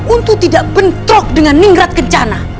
untuk tidak bentrok dengan ningrat kencana